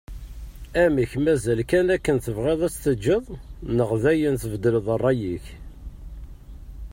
Amek mazal kan akken tebɣiḍ ad tt-teǧǧeḍ neɣ dayen tbeddleḍ rray-ik?